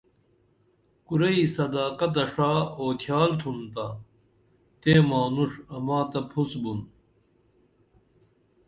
کُرئی صداقتہ ݜا اوتھیال تُھن تا تیں مانُݜ اما تہ پُھس بُن